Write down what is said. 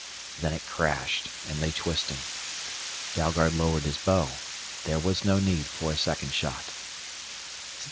Then it crashed and lay twisting. Dalgard lowered his bow. There was no need for a second shot.